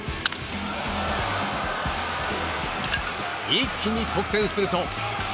一気に得点すると。